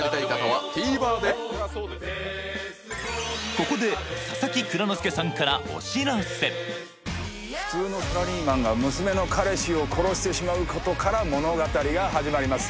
ここで普通のサラリーマンが娘の彼氏を殺してしまうことから物語が始まります